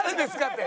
って。